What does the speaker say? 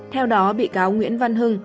theo đó bị cáo nguyễn văn hưng